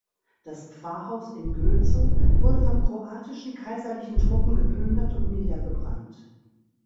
Das Pfarrhaus in Gülzow wurde von kroatischen kaiserlichen Truppen geplündert und niedergebrannt.